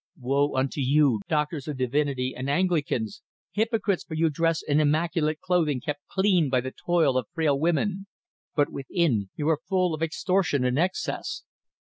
Woe unto you, doctors of divinity and Anglicans, hypocrites! for you dress in immaculate clothing kept clean by the toil of frail women, but within you are full of extortion and excess.